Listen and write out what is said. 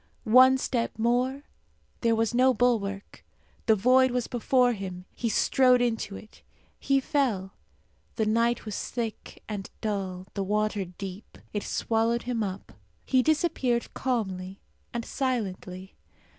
One step more; there was no bulwark; the void was before him; he strode into it. He fell. The night was thick and dull, the water deep. It swallowed him up. He disappeared calmly and silently.